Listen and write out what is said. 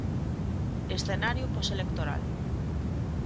Escenario poselectoral.